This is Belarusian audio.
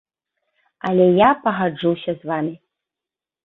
Але я пагаджуся з вамі.